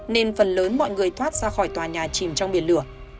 nên phần lớn mọi người thoát ra khỏi tòa nhà chìm trong biển lửa